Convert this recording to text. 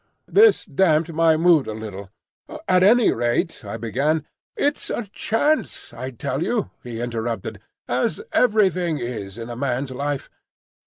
This damped my mood a little. "At any rate," I began. "It's a chance, I tell you," he interrupted, "as everything is in a man's life.